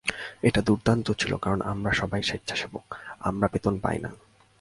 এটা দুর্দান্ত ছিল, কারণ আমরা সবাই স্বেচ্ছাসেবক, আমরা বেতন পাই না।